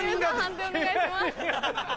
判定お願いします。